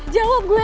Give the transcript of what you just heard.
jawab gue riz